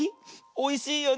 おいしいよね。